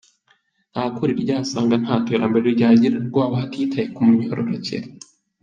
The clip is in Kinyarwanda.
Ntawukuriryayo asanga nta terambere ryagerwaho hatitawe ku myororokere